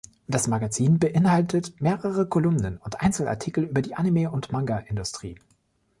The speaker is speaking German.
Das Magazin beinhaltet mehrere Kolumnen und Einzelartikel über die Anime- und Manga-Industrie.